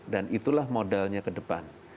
dan itulah modalnya ke depan